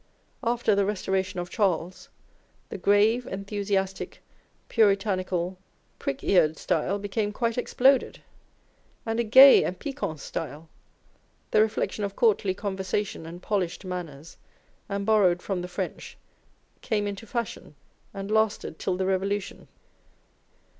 After the restoration of Charles, the grave, enthusiastic, puritanical, " prick eared " style became quite exploded, and a gay and piquant style, the reflection of courtly conversation and polished manners, and borrowed from the French, came into fashion, and lasted till the Revolution.